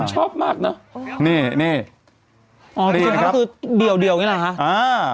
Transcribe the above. ชอบมากน่ะนี่นี่อ๋อคือคือเดี่ยวเดี่ยวเงี้ยแหละฮะอ๋อ